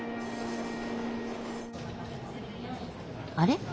あれ？